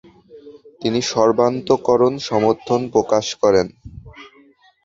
তিনি সর্বান্তকরণে সমর্থন প্রকাশ করেন।